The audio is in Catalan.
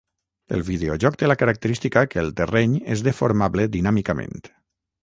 El videojoc té la característica que el terreny és deformable dinàmicament.